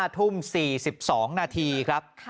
๕ทุ่ม๔๒นาทีครับ